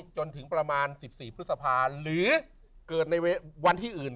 จนถึงประมาณ๑๔พฤษภาหรือเกิดในวันที่อื่น